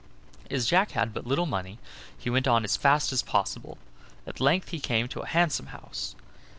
As Jack had but little money, he went on as fast as possible. At length he came to a handsome house.